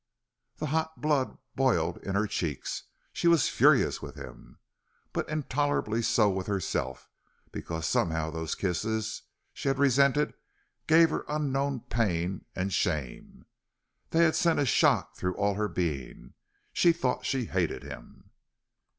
The hot blood boiled in her cheeks. She was furious with him, but intolerably so with herself, because somehow those kisses she had resented gave her unknown pain and shame. They had sent a shock through all her being. She thought she hated him.